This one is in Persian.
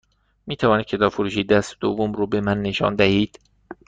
می توانید کتاب فروشی دست دوم رو به من نشان دهید؟